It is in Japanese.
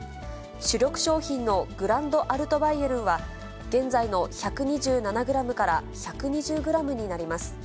主力商品のグランドアルトバイエルンは、現在の１２７グラムから、１２０グラムになります。